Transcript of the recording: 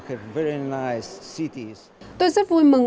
các nghệ sĩ đã dẫn dắt khán giả đi qua ba trường của buổi diễn